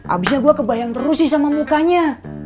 abisnya gue kebayang terus sih sama mukanya